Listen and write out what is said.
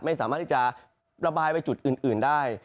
ไม่สามารถที่จะระบายไปจุดอื่นได้